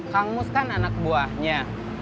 kangus kan anak buahnya